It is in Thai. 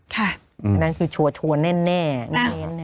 ค่ะอันนั้นคือชัวร์แน่นแน่นนะ